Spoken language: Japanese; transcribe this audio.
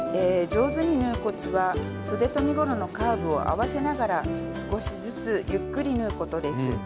上手に縫うコツはそでと身ごろのカーブを合わせながら少しずつゆっくり縫うことです。